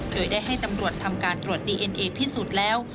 เคยได้ให้ตำรวจทำการตรวจดีเอ็นเอพิสูจน์แล้ว